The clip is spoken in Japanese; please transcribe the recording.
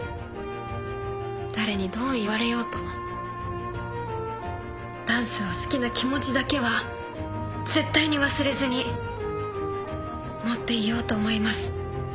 誰にどう言われようとダンスを好きな気持ちだけは絶対に忘れずに持っていようと思います。